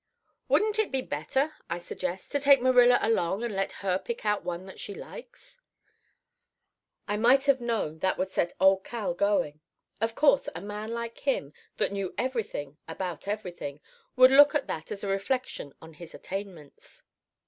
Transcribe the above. "'Wouldn't it be better,' I suggests, 'to take Marilla along and let her pick out one that she likes?' "I might have known that would set Uncle Cal going. Of course, a man like him, that knew everything about everything, would look at that as a reflection on his attainments.